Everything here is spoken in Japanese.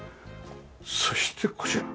そしてこちら。